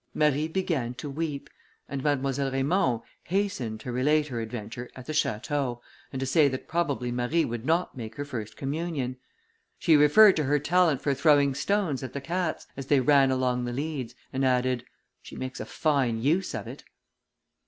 Marie began to weep, and Mademoiselle Raymond hastened to relate her adventure at the château, and to say that probably Marie would not make her first communion. She referred to her talent for throwing stones at the cats, as they ran along the leads, and added, "She makes a fine use of it."